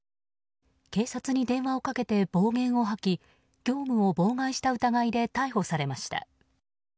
警察に電話をかけて暴言を吐き業務を妨害した疑いで逮捕されました。